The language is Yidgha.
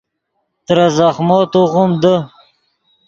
ترے زخمو توغیم دے